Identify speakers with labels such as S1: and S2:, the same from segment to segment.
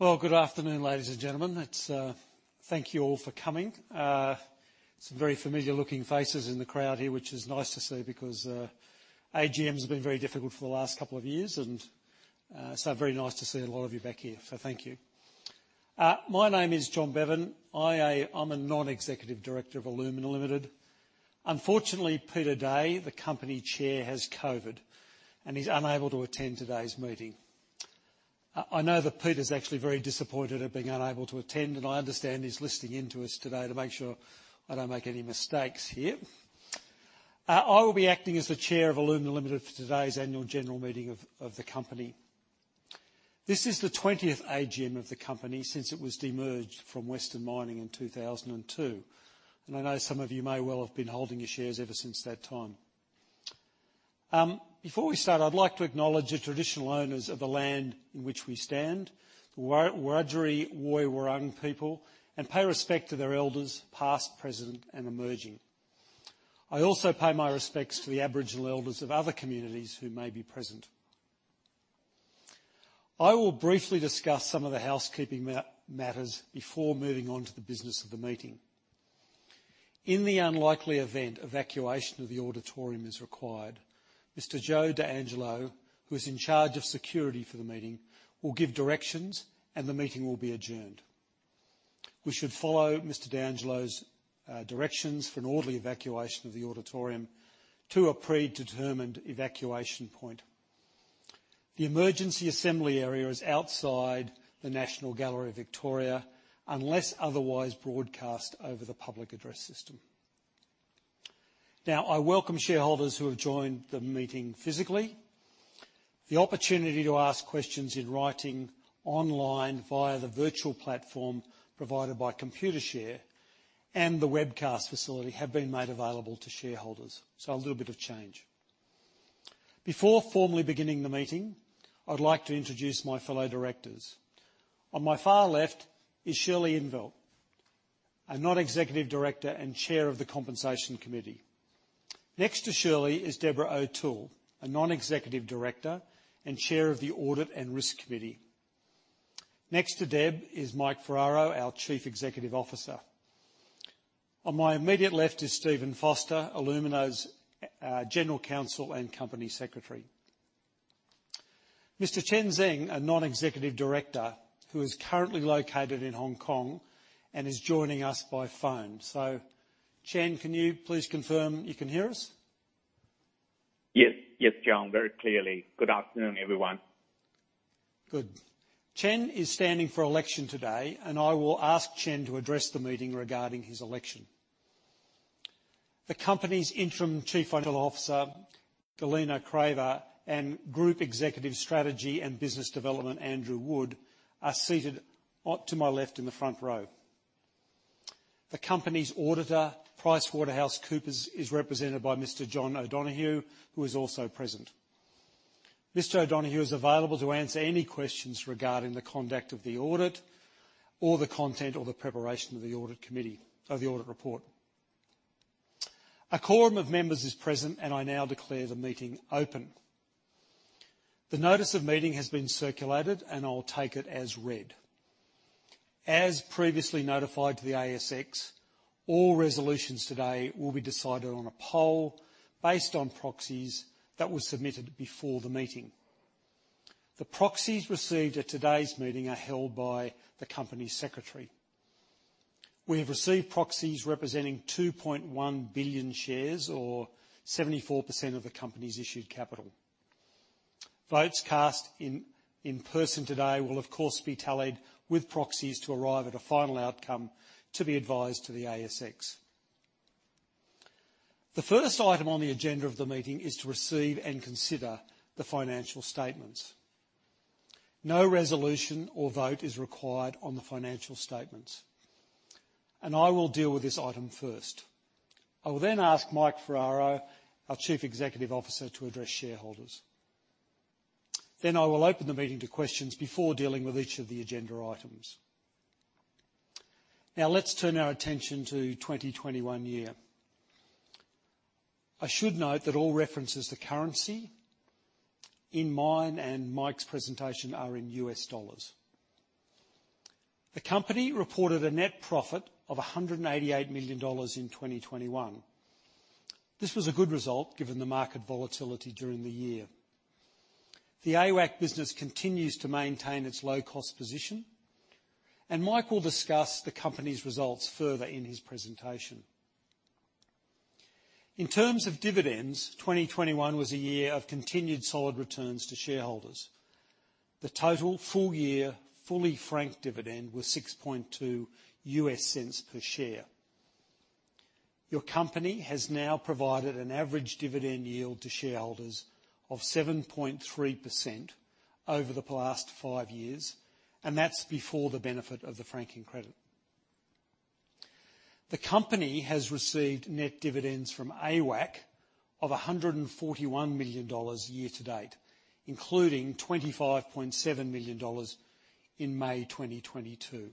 S1: Well, good afternoon, ladies and gentlemen. Thank you all for coming. Some very familiar-looking faces in the crowd here, which is nice to see because AGMs have been very difficult for the last couple of years, and so very nice to see a lot of you back here, so thank you. My name is John Bevan. I'm a Non-Executive Director of Alumina Limited. Unfortunately, Peter Day, the company Chair, has COVID, and he's unable to attend today's meeting. I know that Peter's actually very disappointed at being unable to attend, and I understand he's listening in to us today to make sure I don't make any mistakes here. I will be acting as the Chair of Alumina Limited for today's annual general meeting of the company. This is the twentieth AGM of the company since it was de-merged from Western Mining in 2002. I know some of you may well have been holding your shares ever since that time. Before we start, I'd like to acknowledge the traditional owners of the land in which we stand, the Wurundjeri Woi Wurrung people, and pay respect to their elders, past, present, and emerging. I also pay my respects to the Aboriginal elders of other communities who may be present. I will briefly discuss some of the housekeeping matters before moving on to the business of the meeting. In the unlikely event evacuation of the auditorium is required, Mr. Joe D'Angelo, who is in charge of security for the meeting, will give directions and the meeting will be adjourned. We should follow Mr. D'Angelo's directions for an orderly evacuation of the auditorium to a predetermined evacuation point. The emergency assembly area is outside the National Gallery of Victoria, unless otherwise broadcast over the public address system. Now, I welcome shareholders who have joined the meeting physically. The opportunity to ask questions in writing online via the virtual platform provided by Computershare and the webcast facility have been made available to shareholders, so a little bit of change. Before formally beginning the meeting, I'd like to introduce my fellow directors. On my far left is Shirley In't Veld, a non-executive director and chair of the Compensation Committee. Next to Shirley is Deborah O'Toole, a non-executive director and chair of the Audit and Risk Committee. Next to Deb is Michael Ferraro, our Chief Executive Officer. On my immediate left is Steven Foster, Alumina's General Counsel and Company Secretary. Mr. Chen Zeng, a Non-Executive Director who is currently located in Hong Kong and is joining us by phone. Chen, can you please confirm you can hear us?
S2: Yes, yes, John, very clearly. Good afternoon, everyone.
S1: Good. Chen is standing for election today, and I will ask Chen to address the meeting regarding his election. The company's interim Chief Financial Officer, Galina Kraeva, and Group Executive Strategy and Business Development, Andrew Wood, are seated to my left in the front row. The company's auditor, PricewaterhouseCoopers, is represented by Mr. John O'Donoghue, who is also present. Mr. O'Donoghue is available to answer any questions regarding the conduct of the audit or the content or the preparation of the audit report. A quorum of members is present, and I now declare the meeting open. The notice of meeting has been circulated, and I'll take it as read. As previously notified to the ASX, all resolutions today will be decided on a poll based on proxies that were submitted before the meeting. The proxies received at today's meeting are held by the company secretary. We have received proxies representing 2.1 billion shares or 74% of the company's issued capital. Votes cast in person today will of course be tallied with proxies to arrive at a final outcome to be advised to the ASX. The first item on the agenda of the meeting is to receive and consider the financial statements. No resolution or vote is required on the financial statements. I will deal with this item first. I will then ask Michael Ferraro, our Chief Executive Officer, to address shareholders. I will open the meeting to questions before dealing with each of the agenda items. Now let's turn our attention to 2021 year. I should note that all references to currency in mine and Michael's presentation are in U.S. dollars. The company reported a net profit of $188 million in 2021. This was a good result given the market volatility during the year. The AWAC business continues to maintain its low-cost position, and Michael will discuss the company's results further in his presentation. In terms of dividends, 2021 was a year of continued solid returns to shareholders. The total full year, fully franked dividend was $0.062 per share. Your company has now provided an average dividend yield to shareholders of 7.3% over the past five years, and that's before the benefit of the franking credit. The company has received net dividends from AWAC of $141 million year to date, including $25.7 million in May 2022.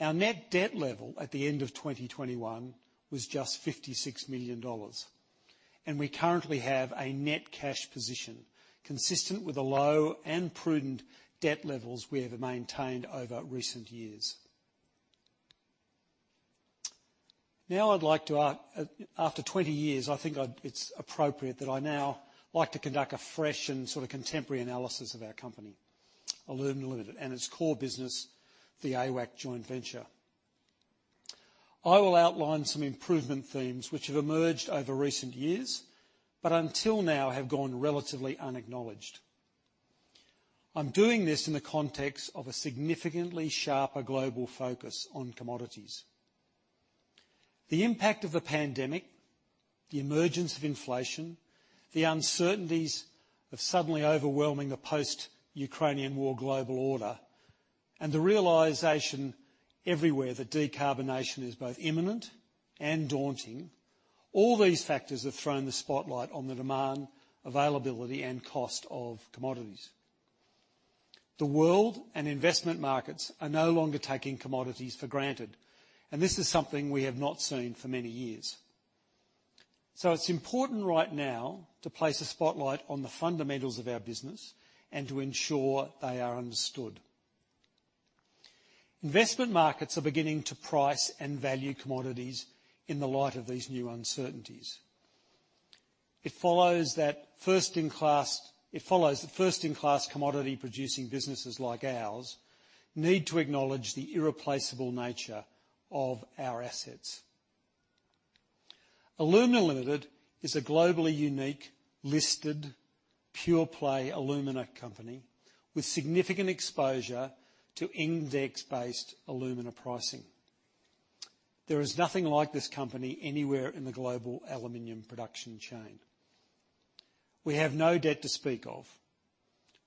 S1: Our net debt level at the end of 2021 was just $56 million. We currently have a net cash position consistent with the low and prudent debt levels we have maintained over recent years. Now I'd like to after 20 years, I think, it's appropriate that I now like to conduct a fresh and sort of contemporary analysis of our company, Alumina Limited, and its core business, the AWAC joint venture. I will outline some improvement themes which have emerged over recent years, but until now have gone relatively unacknowledged. I'm doing this in the context of a significantly sharper global focus on commodities. The impact of the pandemic, the emergence of inflation, the uncertainties of suddenly overwhelming a post-Ukraine war global order, and the realization everywhere that decarbonization is both imminent and daunting, all these factors have thrown the spotlight on the demand, availability, and cost of commodities. The world and investment markets are no longer taking commodities for granted, and this is something we have not seen for many years. It's important right now to place a spotlight on the fundamentals of our business and to ensure they are understood. Investment markets are beginning to price and value commodities in the light of these new uncertainties. It follows that first-in-class commodity producing businesses like ours need to acknowledge the irreplaceable nature of our assets. Alumina Limited is a globally unique, listed, pure-play alumina company with significant exposure to index-based alumina pricing. There is nothing like this company anywhere in the global aluminum production chain. We have no debt to speak of.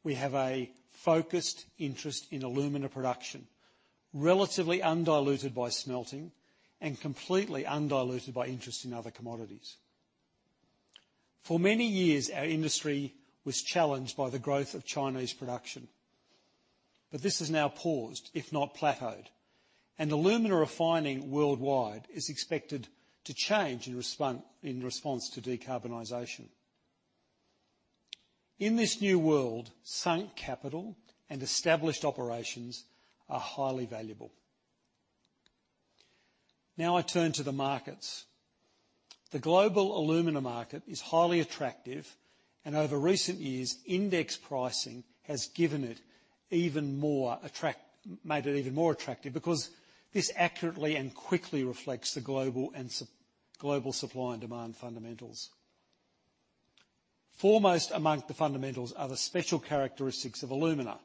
S1: We have a focused interest in alumina production, relatively undiluted by smelting and completely undiluted by interest in other commodities. For many years, our industry was challenged by the growth of Chinese production. This has now paused, if not plateaued, and alumina refining worldwide is expected to change in response to decarbonization. In this new world, sunk capital and established operations are highly valuable. Now I turn to the markets. The global alumina market is highly attractive, and over recent years, index pricing has made it even more attractive because this accurately and quickly reflects the global supply and demand fundamentals. Foremost among the fundamentals are the special characteristics of alumina.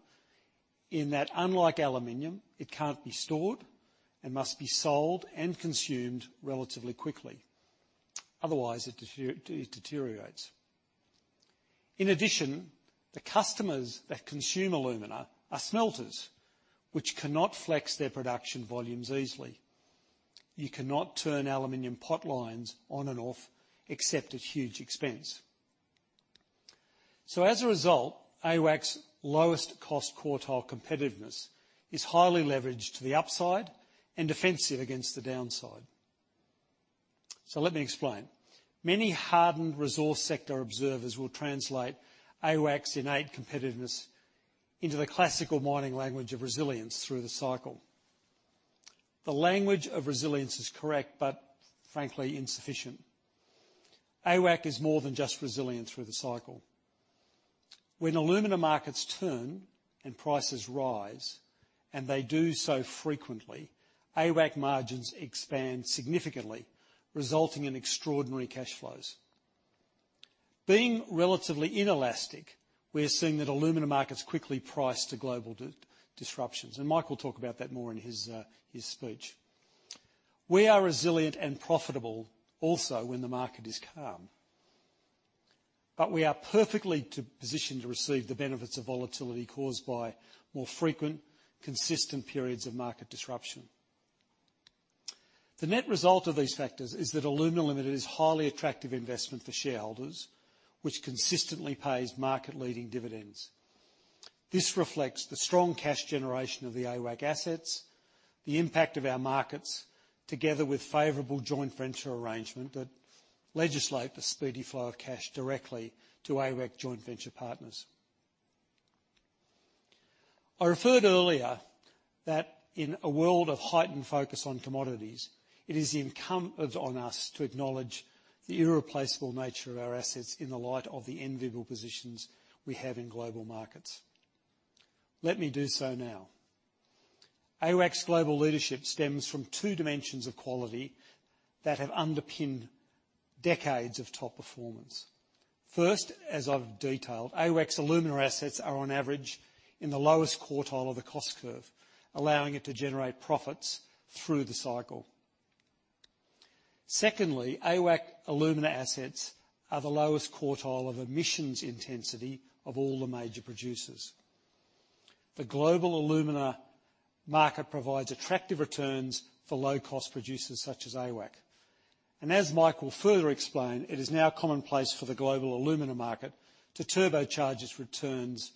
S1: In that, unlike aluminum, it can't be stored and must be sold and consumed relatively quickly. Otherwise, it deteriorates. In addition, the customers that consume alumina are smelters, which cannot flex their production volumes easily. You cannot turn aluminum pot lines on and off, except at huge expense. As a result, AWAC's lowest cost quartile competitiveness is highly leveraged to the upside and defensive against the downside. Let me explain. Many hardened resource sector observers will translate AWAC's innate competitiveness into the classical mining language of resilience through the cycle. The language of resilience is correct, but frankly insufficient. AWAC is more than just resilient through the cycle. When alumina markets turn and prices rise, and they do so frequently, AWAC margins expand significantly, resulting in extraordinary cash flows. Being relatively inelastic, we're seeing that alumina markets quickly price to global disruptions, and Michael will talk about that more in his speech. We are resilient and profitable also when the market is calm. We are perfectly positioned to receive the benefits of volatility caused by more frequent, consistent periods of market disruption. The net result of these factors is that Alumina Limited is highly attractive investment for shareholders, which consistently pays market-leading dividends. This reflects the strong cash generation of the AWAC assets, the impact of our markets, together with favorable joint venture arrangement that legislates the speedy flow of cash directly to AWAC joint venture partners. I referred earlier that in a world of heightened focus on commodities, it is incumbent on us to acknowledge the irreplaceable nature of our assets in the light of the enviable positions we have in global markets. Let me do so now. AWAC's global leadership stems from two dimensions of quality that have underpinned decades of top performance. First, as I've detailed, AWAC's alumina assets are on average in the lowest quartile of the cost curve, allowing it to generate profits through the cycle. Secondly, AWAC's alumina assets are the lowest quartile of emissions intensity of all the major producers. The global alumina market provides attractive returns for low-cost producers such as AWAC. As Michael will further explain, it is now commonplace for the global alumina market to turbocharge its returns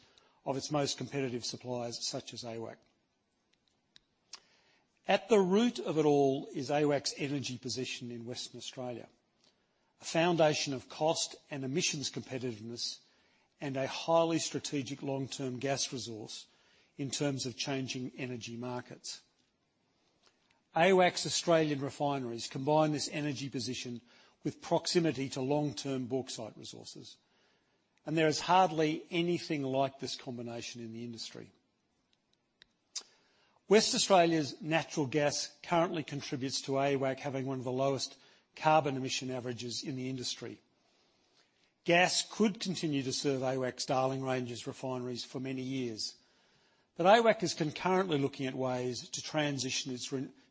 S1: of its most competitive suppliers, such as AWAC. At the root of it all is AWAC's energy position in Western Australia, a foundation of cost and emissions competitiveness, and a highly strategic long-term gas resource in terms of changing energy markets. AWAC's Australian refineries combine this energy position with proximity to long-term bauxite resources, and there is hardly anything like this combination in the industry. West Australia's natural gas currently contributes to AWAC having one of the lowest carbon emission averages in the industry. Gas could continue to serve AWAC's Darling Ranges refineries for many years. AWAC is concurrently looking at ways to transition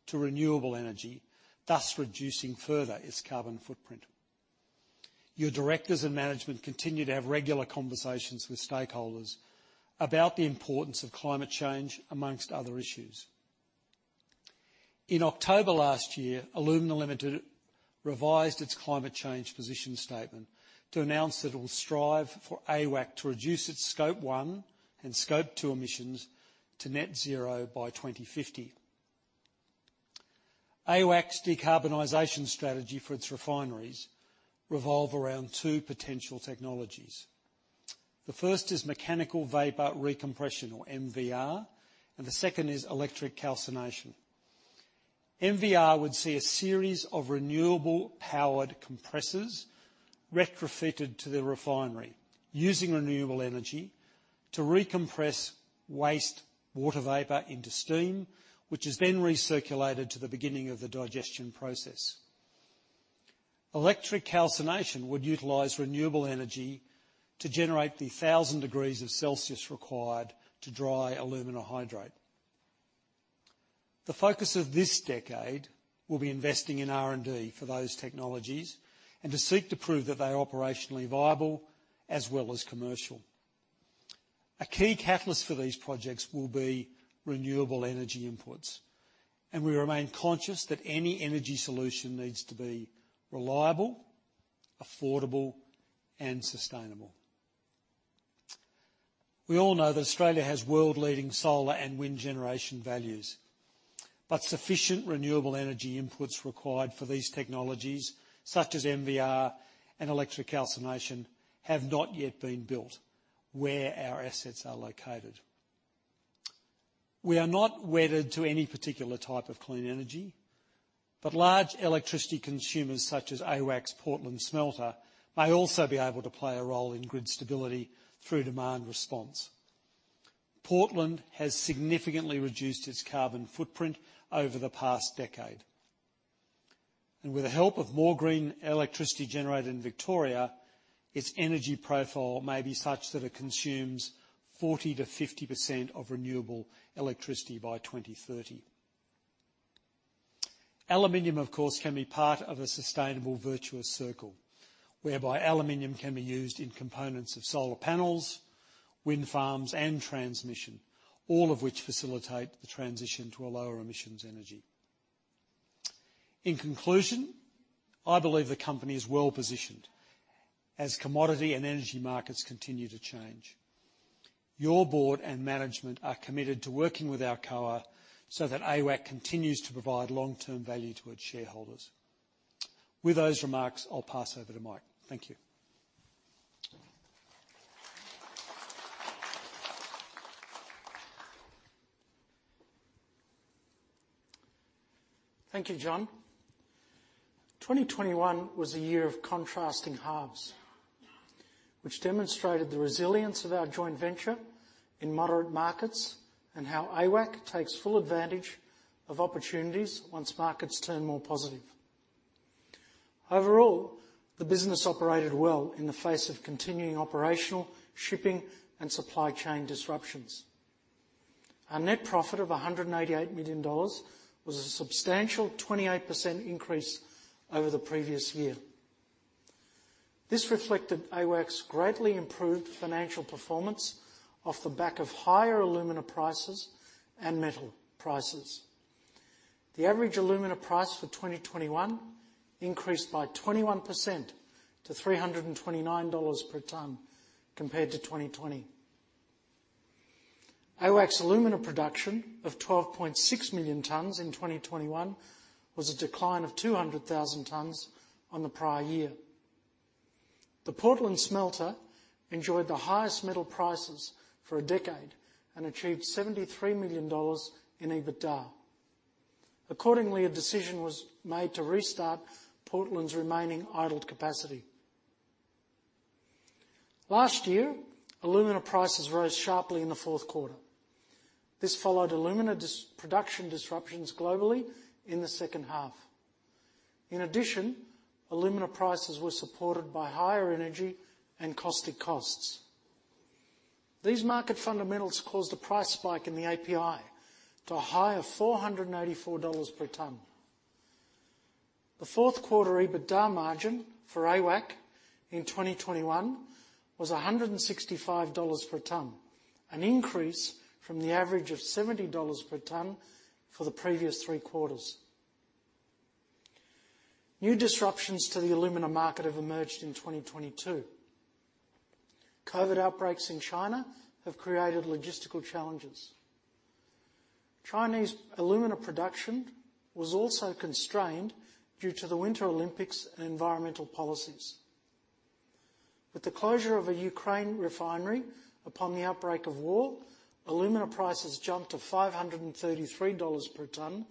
S1: to renewable energy, thus reducing further its carbon footprint. Your directors and management continue to have regular conversations with stakeholders about the importance of climate change, among other issues. In October last year, Alumina Limited revised its climate change position statement to announce that it will strive for AWAC to reduce its Scope 1 and Scope 2 emissions to net zero by 2050. AWAC's decarbonization strategy for its refineries revolve around two potential technologies. The first is mechanical vapor recompression, or MVR, and the second is electric calcination. MVR would see a series of renewable powered compressors retrofitted to the refinery, using renewable energy to recompress waste water vapor into steam, which is then recirculated to the beginning of the digestion process. Electric calcination would utilize renewable energy to generate 1,000 degrees Celsius required to dry alumina hydrate. The focus of this decade will be investing in R&D for those technologies and to seek to prove that they are operationally viable as well as commercial. A key catalyst for these projects will be renewable energy inputs, and we remain conscious that any energy solution needs to be reliable, affordable, and sustainable. We all know that Australia has world-leading solar and wind generation values. Sufficient renewable energy inputs required for these technologies, such as MVR and electric calcination, have not yet been built where our assets are located. We are not wedded to any particular type of clean energy, but large electricity consumers such as AWAC's Portland Smelter may also be able to play a role in grid stability through demand response. Portland has significantly reduced its carbon footprint over the past decade. With the help of more green electricity generated in Victoria, its energy profile may be such that it consumes 40%-50% of renewable electricity by 2030. Aluminum, of course, can be part of a sustainable virtuous circle, whereby aluminum can be used in components of solar panels, wind farms, and transmission, all of which facilitate the transition to a lower emissions energy. In conclusion, I believe the company is well-positioned as commodity and energy markets continue to change. Your board and management are committed to working with our Alcoa so that AWAC continues to provide long-term value to its shareholders. With those remarks, I'll pass over to Michael. Thank you.
S3: Thank you, John. 2021 was a year of contrasting halves, which demonstrated the resilience of our joint venture in moderate markets and how AWAC takes full advantage of opportunities once markets turn more positive. Overall, the business operated well in the face of continuing operational, shipping, and supply chain disruptions. Our net profit of $188 million was a substantial 28% increase over the previous year. This reflected AWAC's greatly improved financial performance off the back of higher alumina prices and metal prices. The average alumina price for 2021 increased by 21% to $329 per ton compared to 2020. AWAC's alumina production of 12.6 million tons in 2021 was a decline of 200,000 tons on the prior year. The Portland Smelter enjoyed the highest metal prices for a decade and achieved $73 million in EBITDA. Accordingly, a decision was made to restart Portland's remaining idled capacity. Last year, alumina prices rose sharply in the fourth quarter. This followed alumina production disruptions globally in the second half. In addition, alumina prices were supported by higher energy and caustic costs. These market fundamentals caused a price spike in the API to a high of $484 per ton. The fourth quarter EBITDA margin for AWAC in 2021 was $165 per ton. An increase from the average of $70 per ton for the previous three quarters. New disruptions to the alumina market have emerged in 2022. COVID outbreaks in China have created logistical challenges. Chinese alumina production was also constrained due to the Winter Olympics and environmental policies. With the closure of a Ukraine refinery upon the outbreak of war, alumina prices jumped to $533 per ton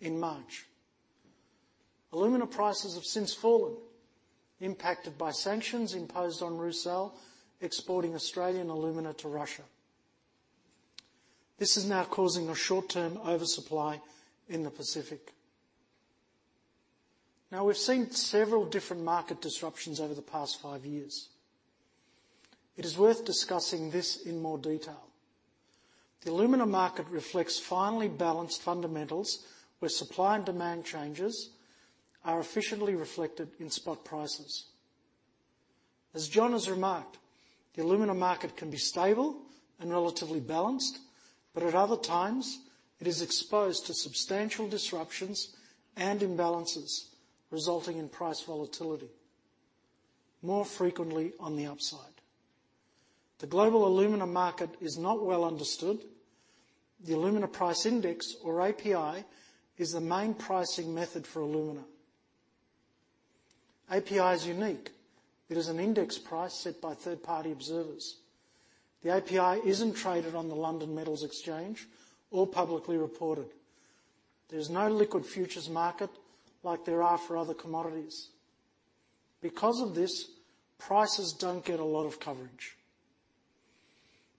S3: in March. Alumina prices have since fallen, impacted by sanctions imposed on Rusal exporting Australian alumina to Russia. This is now causing a short-term oversupply in the Pacific. Now we've seen several different market disruptions over the past five years. It is worth discussing this in more detail. The alumina market reflects finely balanced fundamentals, where supply and demand changes are efficiently reflected in spot prices. As John has remarked, the alumina market can be stable and relatively balanced, but at other times, it is exposed to substantial disruptions and imbalances resulting in price volatility, more frequently on the upside. The global alumina market is not well understood. The Alumina Price Index or API is the main pricing method for alumina. API is unique. It is an index price set by third-party observers. The API isn't traded on the London Metal Exchange or publicly reported. There's no liquid futures market like there are for other commodities. Because of this, prices don't get a lot of coverage.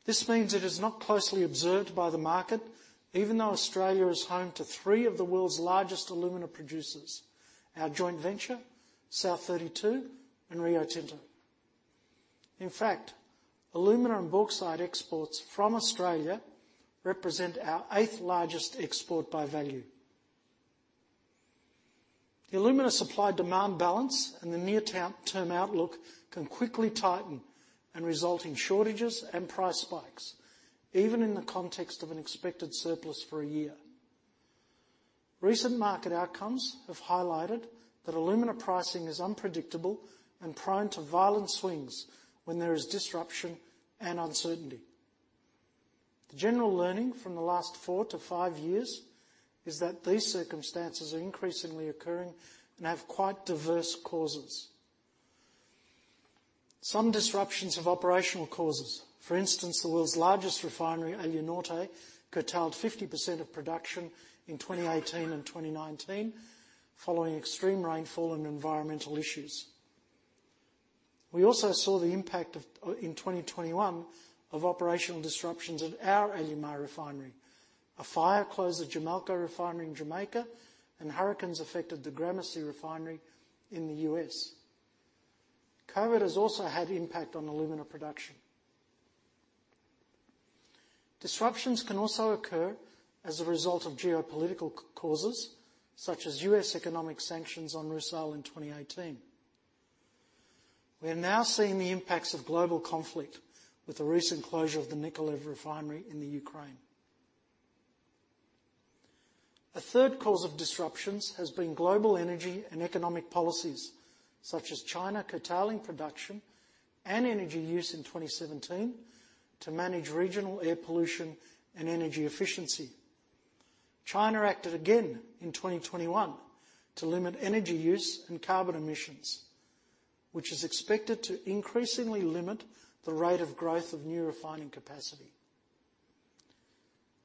S3: This means it is not closely observed by the market, even though Australia is home to three of the world's largest alumina producers: our joint venture, South32, and Rio Tinto. In fact, alumina and bauxite exports from Australia represent our eighth-largest export by value. The alumina supply-demand balance and the near-term outlook can quickly tighten and result in shortages and price spikes, even in the context of an expected surplus for a year. Recent market outcomes have highlighted that alumina pricing is unpredictable and prone to violent swings when there is disruption and uncertainty. The general learning from the last 4-5 years is that these circumstances are increasingly occurring and have quite diverse causes. Some disruptions have operational causes. For instance, the world's largest refinery, Alunorte, curtailed 50% of production in 2018 and 2019 following extreme rainfall and environmental issues. We also saw the impact of in 2021 of operational disruptions at our Alumar refinery. A fire closed the Jamalco refinery in Jamaica, and hurricanes affected the Gramercy refinery in the US. COVID has also had impact on alumina production. Disruptions can also occur as a result of geopolitical causes, such as US economic sanctions on Rusal in 2018. We are now seeing the impacts of global conflict with the recent closure of the Mykolaiv refinery in Ukraine. The third cause of disruptions has been global energy and economic policies, such as China curtailing production and energy use in 2017 to manage regional air pollution and energy efficiency. China acted again in 2021 to limit energy use and carbon emissions, which is expected to increasingly limit the rate of growth of new refining capacity.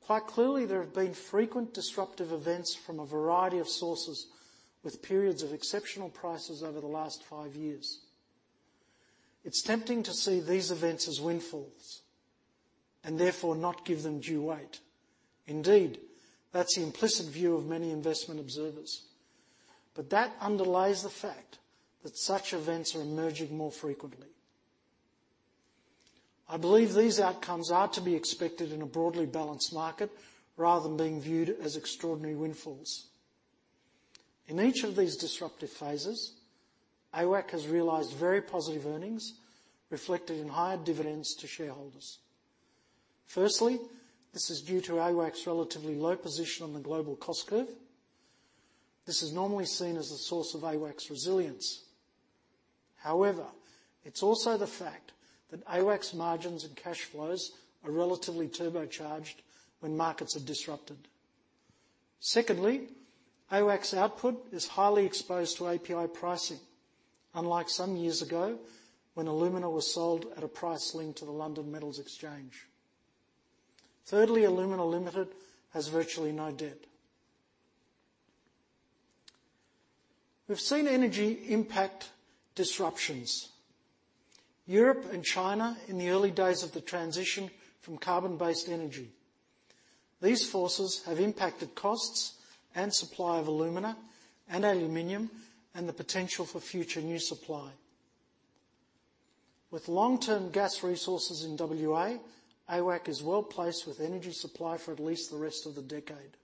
S3: Quite clearly, there have been frequent disruptive events from a variety of sources with periods of exceptional prices over the last five years. It's tempting to see these events as windfalls and therefore not give them due weight. Indeed, that's the implicit view of many investment observers, but that underlies the fact that such events are emerging more frequently. I believe these outcomes are to be expected in a broadly balanced market rather than being viewed as extraordinary windfalls. In each of these disruptive phases, AWAC has realized very positive earnings reflected in higher dividends to shareholders. Firstly, this is due to AWAC's relatively low position on the global cost curve. This is normally seen as a source of AWAC's resilience. However, it's also the fact that AWAC's margins and cash flows are relatively turbocharged when markets are disrupted. Secondly, AWAC's output is highly exposed to API pricing, unlike some years ago, when alumina was sold at a price linked to the London Metal Exchange. Thirdly, Alumina Limited has virtually no debt. We've seen energy impacting disruptions, Europe and China, in the early days of the transition from carbon-based energy. These forces have impacted costs and supply of alumina and aluminum and the potential for future new supply. With long-term gas resources in WA, AWAC is well-placed with energy supply for at least the rest of the decade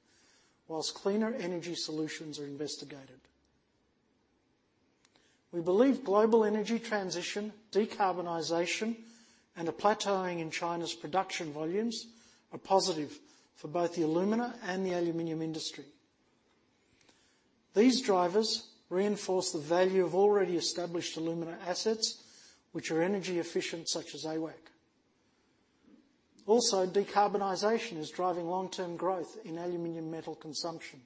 S3: while cleaner energy solutions are investigated. We believe global energy transition, decarbonization, and a plateauing in China's production volumes are positive for both the alumina and the aluminum industry. These drivers reinforce the value of already established alumina assets which are energy efficient, such as AWAC. Also, decarbonization is driving long-term growth in aluminum metal consumption.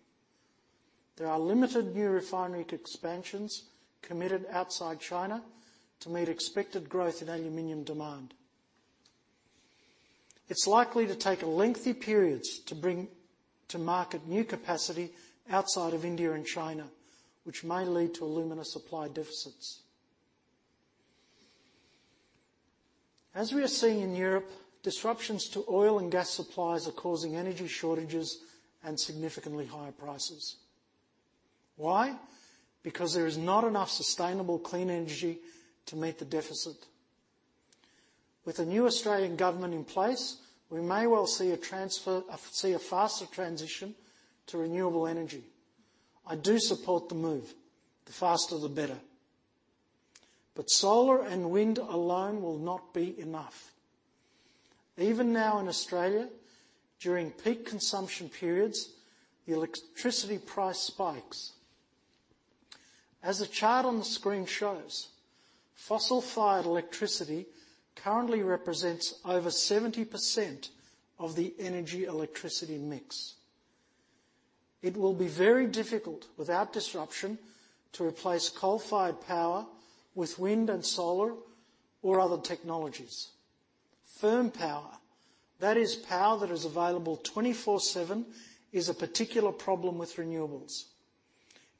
S3: There are limited new refinery expansions committed outside China to meet expected growth in aluminum demand. It's likely to take lengthy periods to bring to market new capacity outside of India and China, which may lead to alumina supply deficits. As we are seeing in Europe, disruptions to oil and gas supplies are causing energy shortages and significantly higher prices. Why? Because there is not enough sustainable clean energy to meet the deficit. With the new Australian government in place, we may well see a faster transition to renewable energy. I do support the move, the faster, the better. Solar and wind alone will not be enough. Even now in Australia, during peak consumption periods, the electricity price spikes. As the chart on the screen shows, fossil-fired electricity currently represents over 70% of the energy electricity mix. It will be very difficult without disruption to replace coal-fired power with wind and solar or other technologies. Firm power, that is power that is available 24/7, is a particular problem with renewables.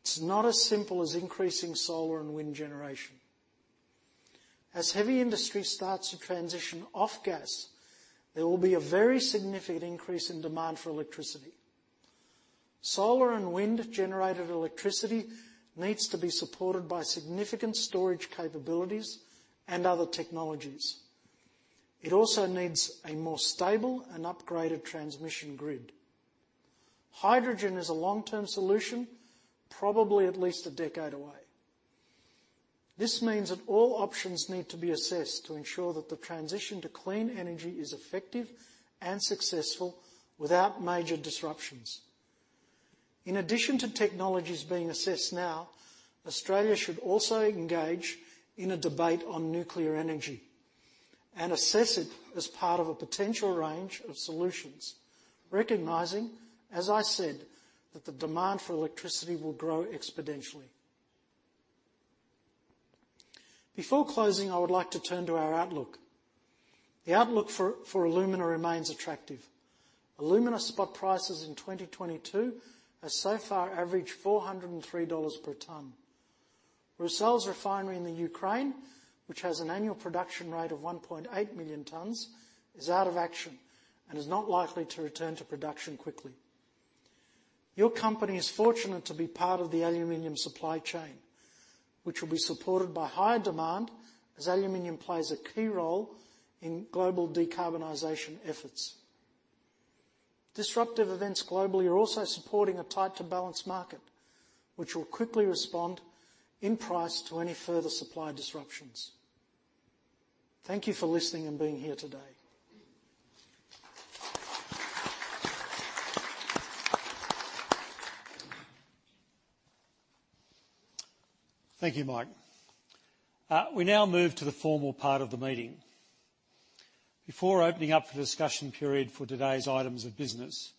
S3: It's not as simple as increasing solar and wind generation. As heavy industry starts to transition off gas, there will be a very significant increase in demand for electricity. Solar and wind-generated electricity needs to be supported by significant storage capabilities and other technologies. It also needs a more stable and upgraded transmission grid. Hydrogen is a long-term solution, probably at least a decade away. This means that all options need to be assessed to ensure that the transition to clean energy is effective and successful without major disruptions. In addition to technologies being assessed now, Australia should also engage in a debate on nuclear energy and assess it as part of a potential range of solutions, recognizing, as I said, that the demand for electricity will grow exponentially. Before closing, I would like to turn to our outlook. The outlook for Alumina remains attractive. Alumina spot prices in 2022 has so far averaged $403 per ton. Rusal refinery in Ukraine, which has an annual production rate of 1.8 million tons, is out of action and is not likely to return to production quickly. Your company is fortunate to be part of the aluminum supply chain, which will be supported by higher demand as aluminum plays a key role in global decarbonization efforts. Disruptive events globally are also supporting a tight to balanced market, which will quickly respond in price to any further supply disruptions. Thank you for listening and being here today.
S1: Thank you, Michael. We now move to the formal part of the meeting. Before opening up the discussion period for today's items of business,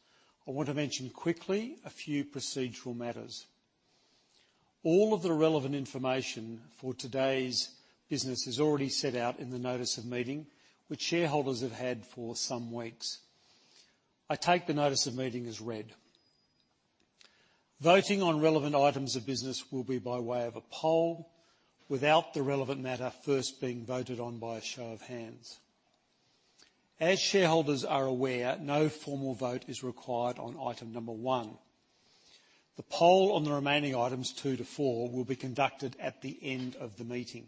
S1: I want to mention quickly a few procedural matters. All of the relevant information for today's business is already set out in the notice of meeting which shareholders have had for some weeks. I take the notice of meeting as read. Voting on relevant items of business will be by way of a poll without the relevant matter first being voted on by a show of hands. As shareholders are aware, no formal vote is required on item number one. The poll on the remaining items two to four will be conducted at the end of the meeting.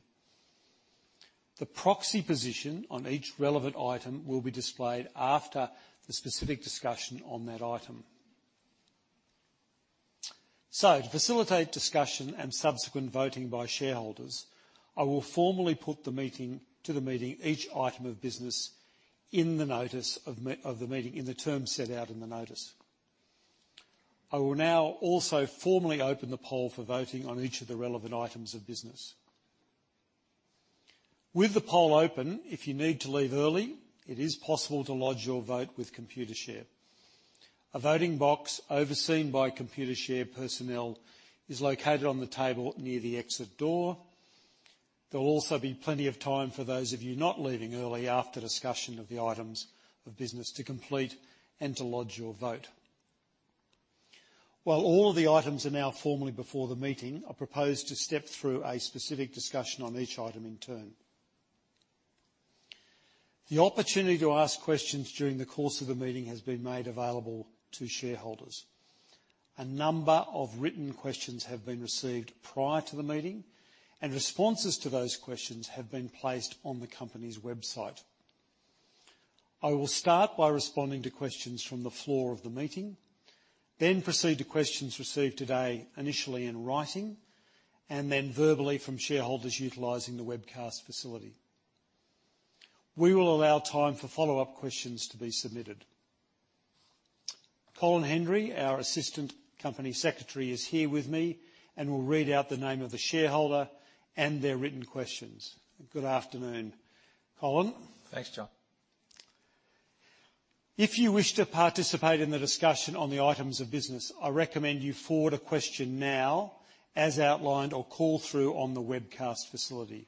S1: The proxy position on each relevant item will be displayed after the specific discussion on that item. To facilitate discussion and subsequent voting by shareholders, I will formally put to the meeting each item of business in the notice of the meeting, in the terms set out in the notice. I will now also formally open the poll for voting on each of the relevant items of business. With the poll open, if you need to leave early, it is possible to lodge your vote with Computershare. A voting box overseen by Computershare personnel is located on the table near the exit door. There'll also be plenty of time for those of you not leaving early after discussion of the items of business to complete and to lodge your vote. While all of the items are now formally before the meeting, I propose to step through a specific discussion on each item in turn. The opportunity to ask questions during the course of the meeting has been made available to shareholders. A number of written questions have been received prior to the meeting, and responses to those questions have been placed on the company's website. I will start by responding to questions from the floor of the meeting, then proceed to questions received today, initially in writing, and then verbally from shareholders utilizing the webcast facility. We will allow time for follow-up questions to be submitted. Colin Hendry, our assistant company secretary, is here with me and will read out the name of the shareholder and their written questions. Good afternoon, Colin.
S4: Thanks, John.
S1: If you wish to participate in the discussion on the items of business, I recommend you forward a question now as outlined, or call through on the webcast facility.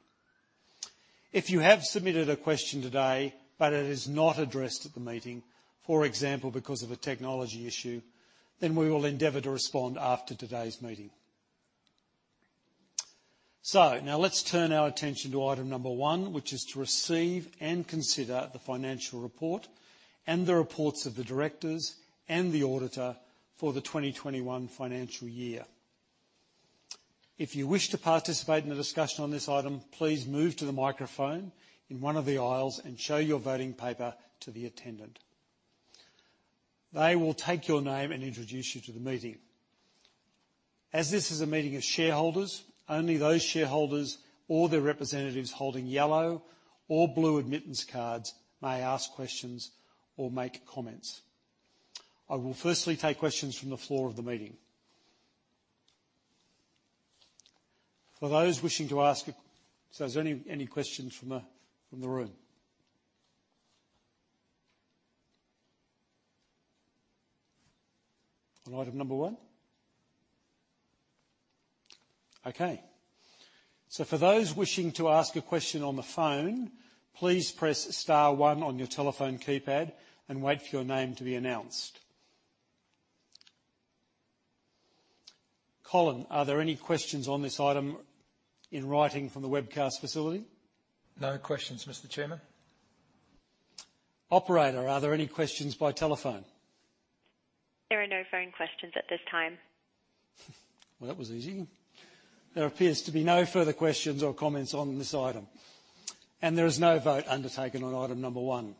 S1: If you have submitted a question today but it is not addressed at the meeting, for example, because of a technology issue, then we will endeavor to respond after today's meeting. Now let's turn our attention to item number one, which is to receive and consider the financial report and the reports of the directors and the auditor for the 2021 financial year. If you wish to participate in the discussion on this item, please move to the microphone in one of the aisles and show your voting paper to the attendant. They will take your name and introduce you to the meeting. As this is a meeting of shareholders, only those shareholders or their representatives holding yellow or blue admittance cards may ask questions or make comments. I will firstly take questions from the floor of the meeting. Is there any questions from the room? On item number one? Okay. For those wishing to ask a question on the phone, please press star one on your telephone keypad and wait for your name to be announced. Colin, are there any questions on this item in writing from the webcast facility?
S4: No questions, Mr. Chairman.
S1: Operator, are there any questions by telephone?
S5: There are no phone questions at this time.
S1: Well, that was easy. There appears to be no further questions or comments on this item, and there is no vote undertaken on item number 1.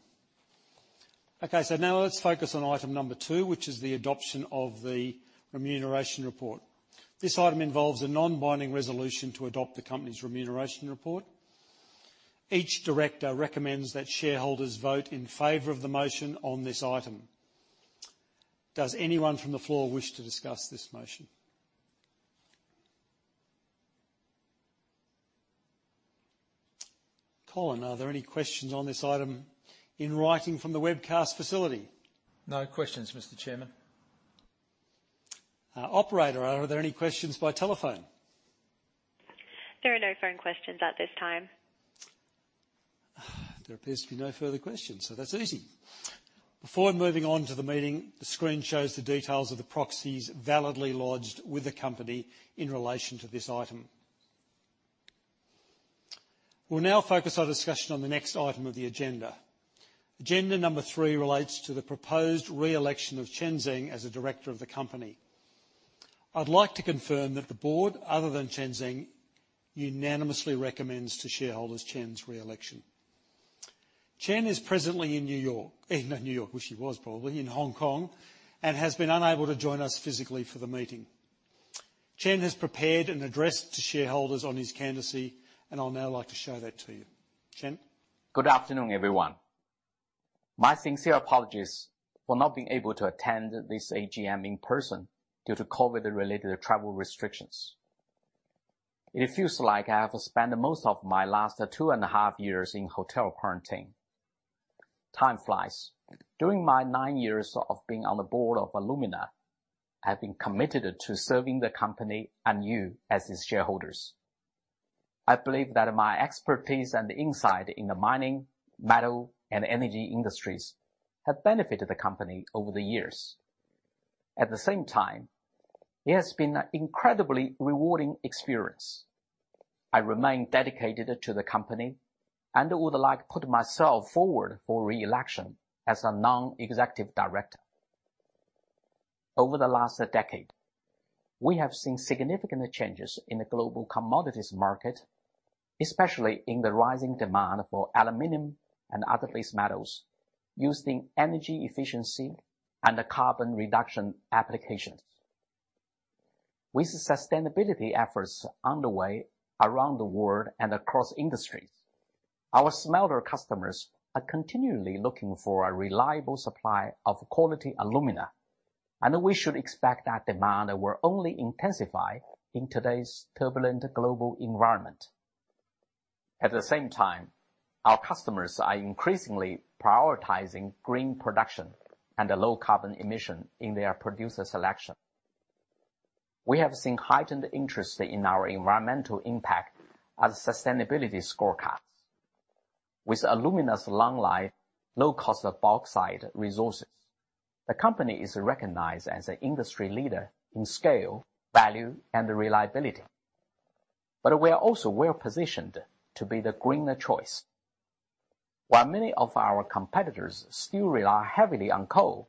S1: Okay, now let's focus on item number 2, which is the adoption of the remuneration report. This item involves a non-binding resolution to adopt the company's remuneration report. Each director recommends that shareholders vote in favor of the motion on this item. Does anyone from the floor wish to discuss this motion? Colin, are there any questions on this item in writing from the webcast facility?
S4: No questions, Mr. Chairman.
S1: Operator, are there any questions by telephone?
S5: There are no phone questions at this time.
S1: There appears to be no further questions, so that's easy. Before moving on to the meeting, the screen shows the details of the proxies validly lodged with the company in relation to this item. We'll now focus our discussion on the next item of the agenda. Agenda number three relates to the proposed re-election of Chen Zeng as a director of the company. I'd like to confirm that the board, other than Chen Zeng, unanimously recommends to shareholders Chen's re-election. Chen is presently in New York or in Hong Kong, and has been unable to join us physically for the meeting. Chen has prepared an address to shareholders on his candidacy, and I'll now like to show that to you. Chen.
S2: Good afternoon, everyone. My sincere apologies for not being able to attend this AGM in person due to COVID-related travel restrictions. It feels like I have spent most of my last two and a half years in hotel quarantine. Time flies. During my nine years of being on the board of Alumina, I've been committed to serving the company and you as its shareholders. I believe that my expertise and insight in the mining, metal, and energy industries have benefited the company over the years. At the same time, it has been an incredibly rewarding experience. I remain dedicated to the company and would like to put myself forward for re-election as a non-executive director. Over the last decade, we have seen significant changes in the global commodities market, especially in the rising demand for aluminum and other base metals using energy efficiency and carbon reduction applications. With sustainability efforts underway around the world and across industries, our smelter customers are continually looking for a reliable supply of quality alumina, and we should expect that demand will only intensify in today's turbulent global environment. At the same time, our customers are increasingly prioritizing green production and low carbon emission in their producer selection. We have seen heightened interest in our environmental impact as sustainability scorecards. With Alumina's long life, low cost of bauxite resources, the company is recognized as an industry leader in scale, value and reliability. We are also well-positioned to be the greener choice. While many of our competitors still rely heavily on coal.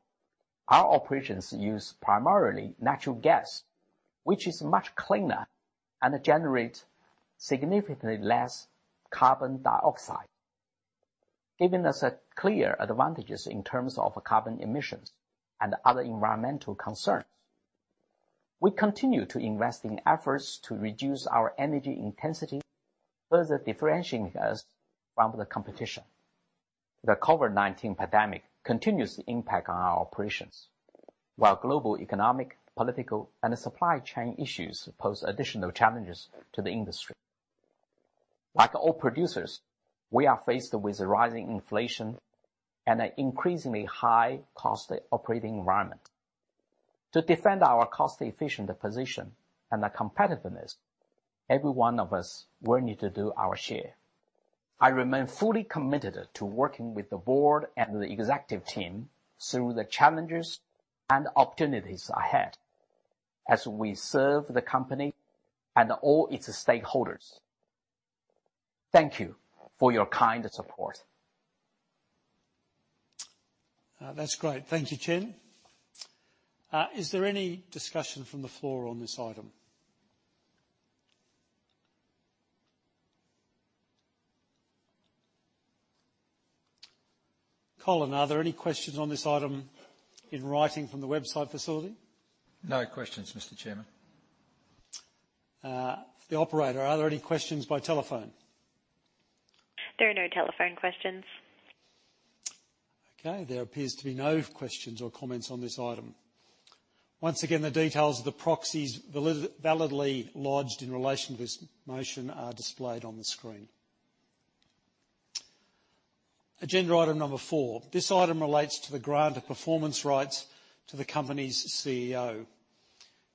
S2: Our operations use primarily natural gas, which is much cleaner and generate significantly less carbon dioxide, giving us a clear advantages in terms of carbon emissions and other environmental concerns. We continue to invest in efforts to reduce our energy intensity, further differentiating us from the competition. The COVID-19 pandemic continues to impact on our operations, while global economic, political, and supply chain issues pose additional challenges to the industry. Like all producers, we are faced with rising inflation and an increasingly high cost operating environment. To defend our cost-efficient position and our competitiveness, every one of us will need to do our share. I remain fully committed to working with the board and the executive team through the challenges and opportunities ahead as we serve the company and all its stakeholders. Thank you for your kind support.
S1: That's great. Thank you, Chen. Is there any discussion from the floor on this item? Colin, are there any questions on this item in writing from the website facility?
S4: No questions, Mr. Chairman.
S1: The operator, are there any questions by telephone?
S5: There are no telephone questions.
S1: Okay. There appears to be no questions or comments on this item. Once again, the details of the proxies validly lodged in relation to this motion are displayed on the screen. Agenda item number 4. This item relates to the grant of performance rights to the company's CEO.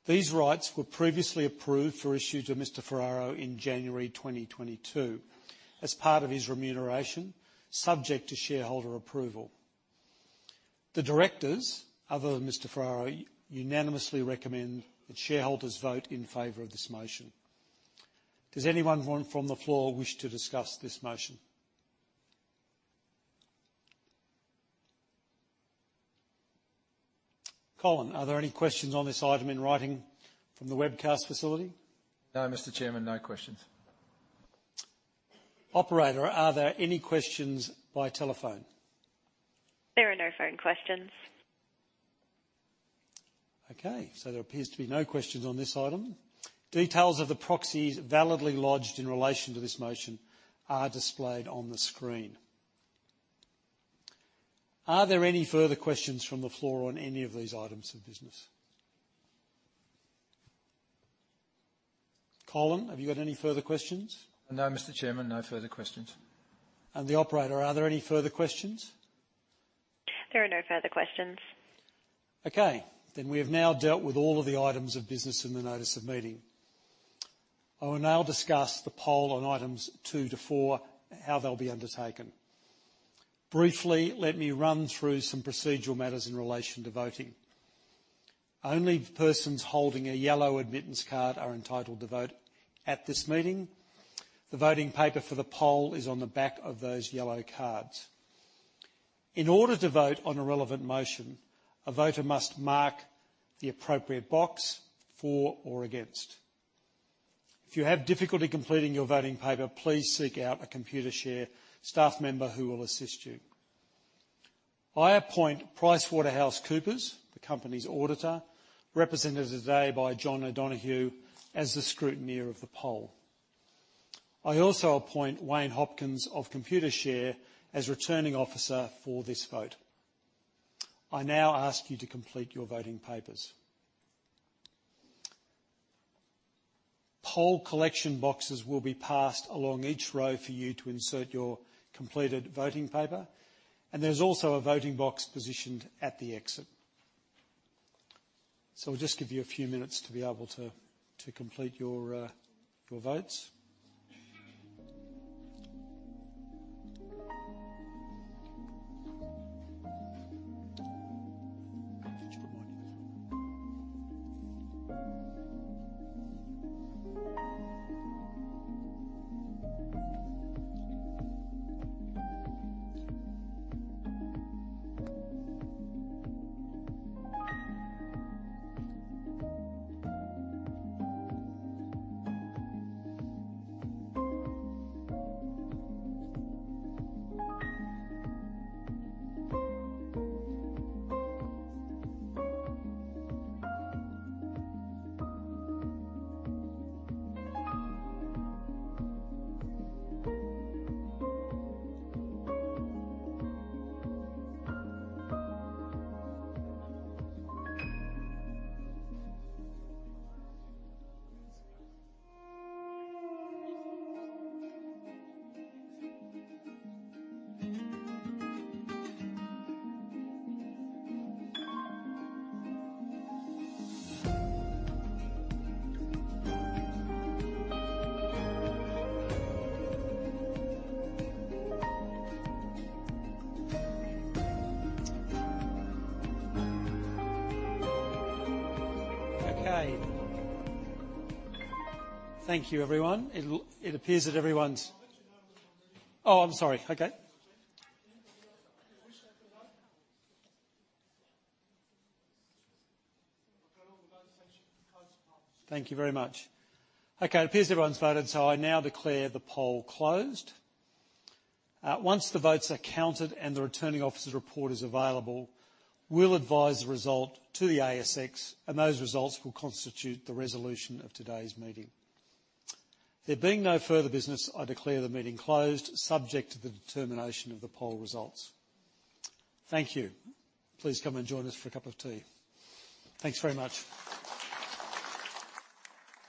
S1: These rights were previously approved for issue to Mr. Ferraro in January 2022 as part of his remuneration, subject to shareholder approval. The directors, other than Mr. Ferraro, unanimously recommend that shareholders vote in favor of this motion. Does anyone from the floor wish to discuss this motion? Colin, are there any questions on this item in writing from the webcast facility?
S4: No, Mr. Chairman. No questions.
S1: Operator, are there any questions by telephone?
S5: There are no phone questions.
S1: Okay. There appears to be no questions on this item. Details of the proxies validly lodged in relation to this motion are displayed on the screen. Are there any further questions from the floor on any of these items of business? Colin, have you got any further questions? No, Mr. Chairman. No further questions. The operator, are there any further questions?
S5: There are no further questions.
S1: Okay. We have now dealt with all of the items of business in the notice of meeting. I will now discuss the poll on items 2 to 4 and how they'll be undertaken. Briefly, let me run through some procedural matters in relation to voting. Only persons holding a yellow admittance card are entitled to vote at this meeting. The voting paper for the poll is on the back of those yellow cards. In order to vote on a relevant motion, a voter must mark the appropriate box for or against. If you have difficulty completing your voting paper, please seek out a Computershare staff member who will assist you. I appoint PricewaterhouseCoopers, the company's auditor, represented today by John O'Donoghue, as the scrutineer of the poll. I also appoint Wayne Hopkins of Computershare as Returning Officer for this vote. I now ask you to complete your voting papers. Poll collection boxes will be passed along each row for you to insert your completed voting paper, and there's also a voting box positioned at the exit. We'll just give you a few minutes to be able to complete your votes. Okay. Thank you, everyone. It appears everyone's voted, so I now declare the poll closed. Once the votes are counted and the Returning Officer's report is available, we'll advise the result to the ASX, and those results will constitute the resolution of today's meeting. There being no further business, I declare the meeting closed, subject to the determination of the poll results. Thank you. Please come and join us for a cup of tea. Thanks very much.